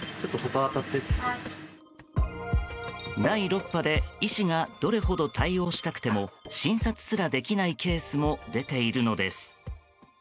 第６波で医師がどれほど対応したくても診察すらできないケースも出ているのです。